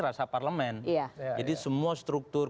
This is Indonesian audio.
rasa parlemen jadi semua struktur